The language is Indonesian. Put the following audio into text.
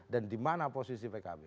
dan dimana posisi pkb